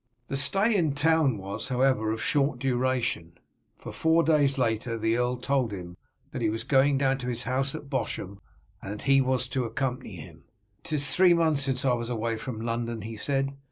The stay in town was, however, of short duration, for four days later the earl told him that he was going down to his house at Bosham, and that he was to accompany him. "'Tis three months since I was away from London," he said.